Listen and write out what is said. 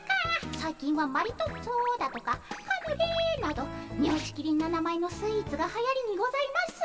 最近はマリトッツォだとかカヌレなどみょうちきりんな名前のスイーツがはやりにございます。